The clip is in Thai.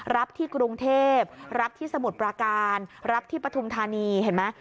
รับที่กรุงเทพรับที่สมุทรปราการรับที่ปฐุมธานีเห็นไหม